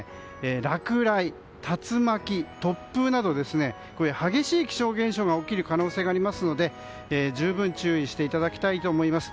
落雷、竜巻、突風など激しい気象現象が起こる可能性がありますので十分注意していただきたいと思います。